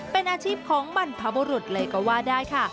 เป็นอาชีพของบรรพบุรุษเลยก็ว่าได้ค่ะ